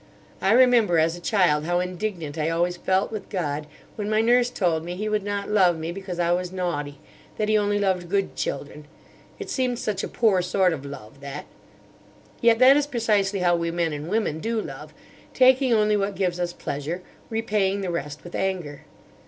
I remember, as a child, how indignant I always felt with God when my nurse told me He would not love me because I was naughty, that He only loved good children. It seemed such a poor sort of love, that. Yet that is precisely how we men and women do love; taking only what gives us pleasure, repaying the rest with anger.